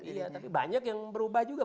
iya tapi banyak yang berubah juga